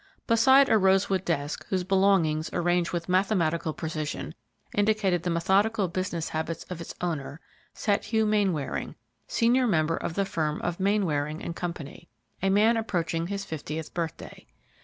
Beside a rosewood desk, whose belongings, arranged with mathematical precision, indicated the methodical business habits of its owner, sat Hugh Mainwaring, senior member of the firm of Mainwaring & Co., a man approaching his fiftieth birthday.